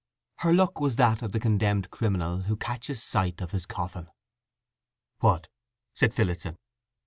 Her look was that of the condemned criminal who catches sight of his coffin. "What?" said Phillotson.